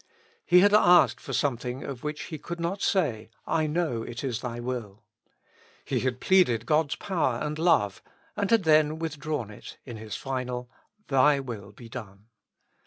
He had asked for something of which He could not say : I know it is Thy will. He had pleaded God's power and love, and had then withdrawn it in His final '*Thy will BE DONE."